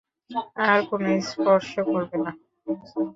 আর কোনো কিছু স্পর্শ করবে না।